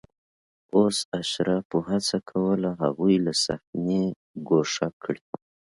اوس اشرافو هڅه کوله هغوی له صحنې ګوښه کړي